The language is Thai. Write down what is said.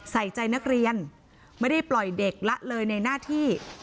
ใส่ใจนักเรียนไม่ได้ปล่อยเด็กละเลยในหน้าที่